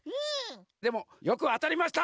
でもよくあたりました！